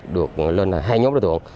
được lên là hai nhóm đối tượng